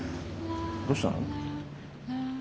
どうしたの？